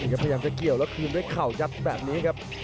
พยายามจะเกี่ยวแล้วคืนด้วยเข่ายับแบบนี้ครับ